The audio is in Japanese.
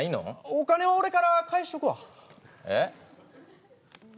お金は俺から返しとくわ。